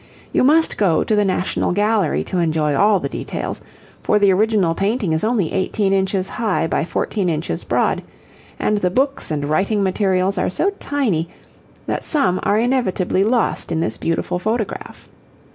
You must go to the National Gallery to enjoy all the details, for the original painting is only 18 inches high by 14 inches broad, and the books and writing materials are so tiny that some are inevitably lost in this beautiful photograph.